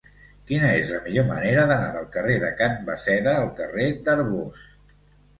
Quina és la millor manera d'anar del carrer de Can Basseda al carrer d'Arbós?